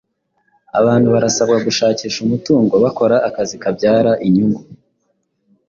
Abantu barasabwa gushakisha umutungo bakora akazi kabyara inyungu,